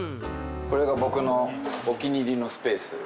これが僕のお気に入りのスペース。